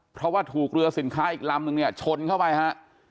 เพราะว่าถูกเรือสินค้าอีกลำนึงเนี่ยชนเข้าไปฮะ